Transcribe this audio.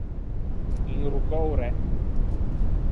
Inroccâ o re.